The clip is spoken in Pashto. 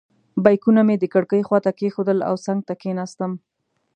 بیکونه مې د کړکۍ خواته کېښودل او څنګ ته کېناستم.